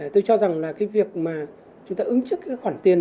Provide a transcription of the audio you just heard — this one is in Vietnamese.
tôi cho rằng là cái việc mà chúng ta ứng trước cái khoản tiền